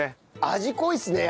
味濃いですね。